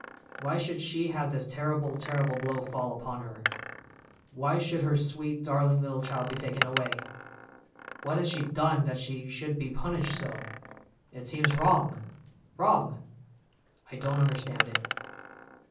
Why should she have this terrible, terrible blow fall upon her? Why should her sweet, darling little child be taken away? What has she done that she should be punished so? It seems wrong—wrong! I don't understand it."